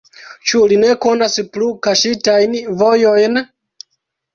Ĉu li ne konas plu kaŝitajn vojojn?